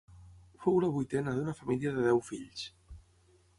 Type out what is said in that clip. Fou la vuitena d'una família de deu fills.